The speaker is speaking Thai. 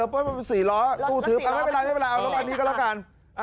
อ้าวไม่เป็นไรอันนี้ก็แล้วกัน